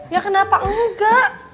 ya kenapa engga